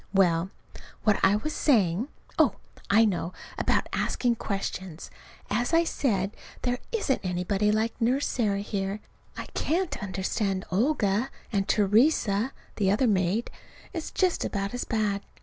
Well, what was I saying? Oh, I know about asking questions. As I said, there isn't anybody like Nurse Sarah here. I can't understand Olga, and Theresa, the other maid, is just about as bad.